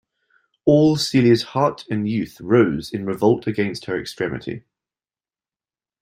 All Celia's heart and youth rose in revolt against her extremity.